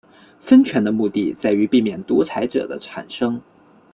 分权的目的在于避免独裁者的产生。